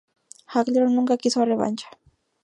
Hagler nunca quiso revancha.